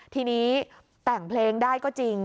ทีนี้แต่งเพลงได้ก็จริง